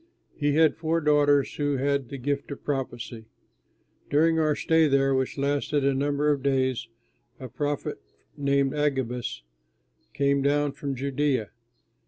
He had four daughters who had the gift of prophecy. During our stay there, which lasted a number of days, a prophet named Agabus came down from Judea.